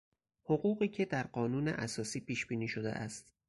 حقوقی که در قانون اساسی پیشبینی شده است